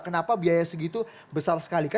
kenapa biaya segitu besar